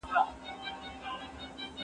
زه به پلان جوړ کړی وي!!